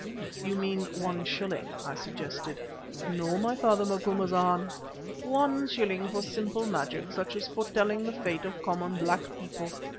"You mean one shilling," I suggested. "No, my father Macumazana. One shilling for simple magic such as foretelling the fate of common black people.